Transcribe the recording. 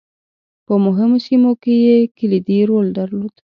په مهمو سیمو کې یې کلیدي رول درلود.